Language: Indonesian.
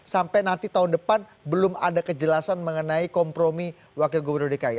sampai nanti tahun depan belum ada kejelasan mengenai kompromi wakil gubernur dki